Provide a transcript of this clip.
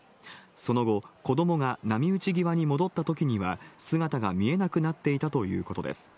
その後、子どもが波打ち際に戻ったときには、姿が見えなくなっていたということです。